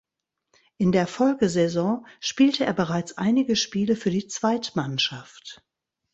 In der Folgesaison spielte er bereits einige Spiele für die Zweitmannschaft.